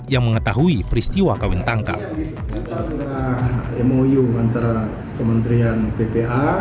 yang mengetahui peristiwa kawin tangkap